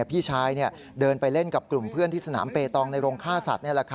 พี่ชายเดินไปเล่นกับกลุ่มเพื่อนที่สนามเปตองในโรงฆ่าสัตว์